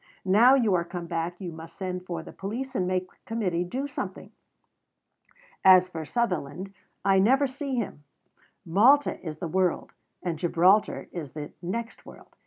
Now you are come back, you must send for the police and make the Committee do something. As for Sutherland, I never see him. Malta is the world. And Gibraltar is the "next world."